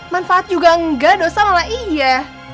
manfaat juga enggak dosa malah iya